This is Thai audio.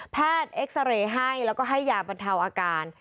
เอ็กซาเรย์ให้แล้วก็ให้ยาบรรเทาอาการ